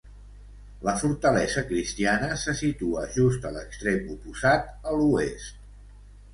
La fortalesa cristiana se situa just a l'extrem oposat, a l'oest.